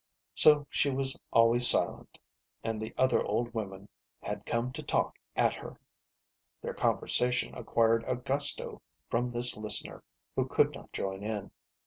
So she was always silent, and the other old women had come to talk at her. Their conversation ac quired a gusto from this listener who could not join in.